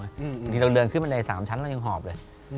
บางทีเราเดินขึ้นบันได๓ชั้นเรายังหอบเลย